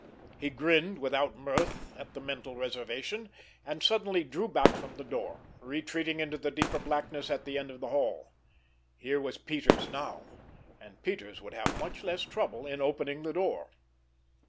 He grinned without mirth at the mental reservation—and suddenly drew back from the door, retreating into the deeper blackness at the end of the hall. Here was Peters now, and Peters would have much less trouble in opening the door!